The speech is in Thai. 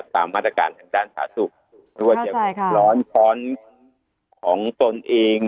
ตามมาตรการทางด้านสาธารณสุขไม่ว่าจะร้อนช้อนของตนเอง